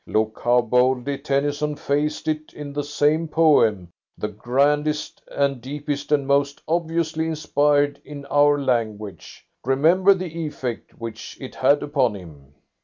Look how boldly Tennyson faced it in that same poem, the grandest and deepest and most obviously inspired in our language. Remember the effect which it had upon him."